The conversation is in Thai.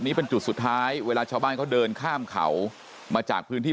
นี้เป็นจุดสุดท้ายเวลาชาวบ้านเขาเดินข้ามเขามาจากพื้นที่